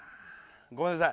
ごめんなさい。